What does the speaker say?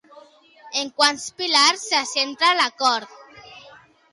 En quants pilars se centra l'acord?